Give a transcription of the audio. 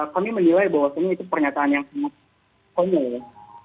kami menilai bahwa itu pernyataan yang semuanya